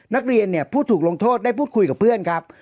นักเรียนเนี่ยผู้ถูกลงโทษได้พูดคุยกับเพื่อนครับ